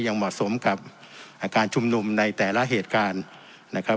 เหมาะสมกับการชุมนุมในแต่ละเหตุการณ์นะครับ